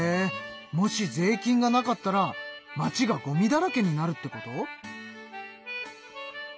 もし税金がなかったら町がごみだらけになるってこと？